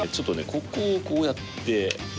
ここをこうやって。